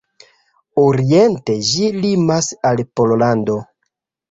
Oriente ĝi limas al Pollando.